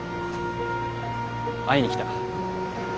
会いに来た。